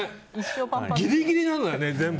ギリギリなのよね。